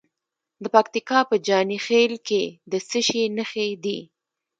د پکتیکا په جاني خیل کې د څه شي نښې دي؟